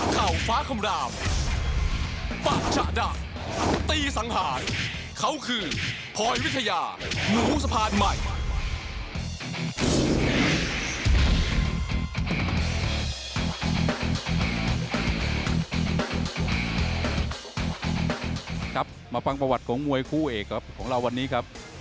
ครับมาฟังประวัติของมวยคู่เอกครับของเราวันนี้ครับ